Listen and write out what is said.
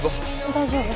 大丈夫。